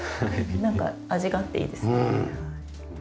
なんか味があっていいですよね。